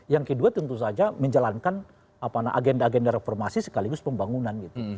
yang kedua tentu saja menjalankan agenda agenda reformasi sekaligus pembangunan gitu